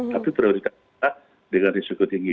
tapi prioritas kita dengan risiko tinggi